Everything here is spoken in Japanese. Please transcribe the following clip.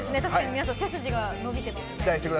皆さん背筋が伸びてますね。